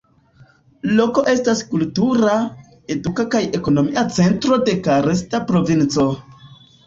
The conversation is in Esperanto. Loko estas kultura, eduka kaj ekonomia centro de Karsta provinco.